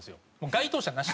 該当者なし？